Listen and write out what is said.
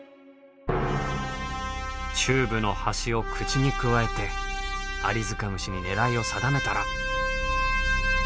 チューブの端を口にくわえてアリヅカムシに狙いを定めたら。